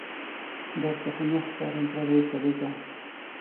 درته خو نه ښکارم پردۍ سالکه